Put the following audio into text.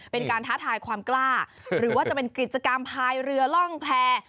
เป็นการท้าทายความกล้าหรือว่าจะเป็นกิจกรรมพายเรือร่องแพร่